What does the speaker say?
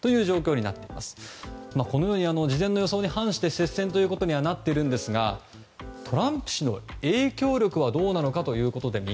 このように事前の予想に反して接戦となっているんですがトランプ氏の影響力はどうなのか。